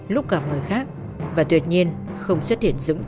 lúc gặp người khác